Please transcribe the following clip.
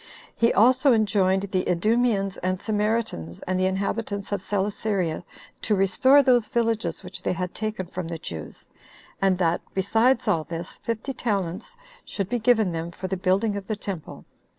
He also enjoined the Idumeans and Samaritans, and the inhabitants of Celesyria, to restore those villages which they had taken from the Jews; and that, besides all this, fifty talents should be given them for the building of the temple.